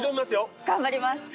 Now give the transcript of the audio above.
頑張ります！